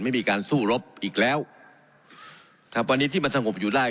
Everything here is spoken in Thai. ไม่มีการสู้รบอีกแล้วครับวันนี้ที่มันสงบอยู่ได้